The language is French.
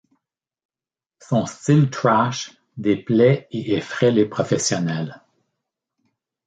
Son style trash déplait et effraie les professionnels.